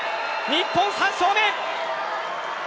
日本３勝目。